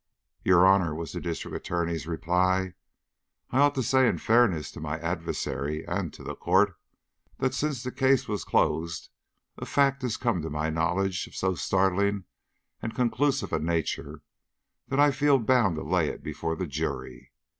"Your honor," was the District Attorney's reply, "I ought to say in fairness to my adversary and to the court, that since the case was closed a fact has come to my knowledge of so startling and conclusive a nature that I feel bound to lay it before the jury.